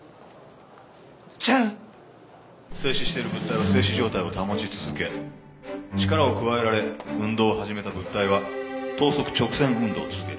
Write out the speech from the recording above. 静止している物体は静止状態を保ち続け力を加えられ運動を始めた物体は等速直線運動を続ける。